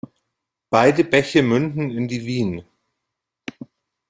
Beide Bäche münden in die Wien.